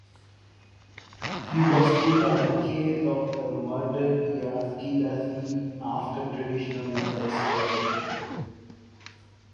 He was put on the case of the murdered Yaskedasi after traditional methods failed.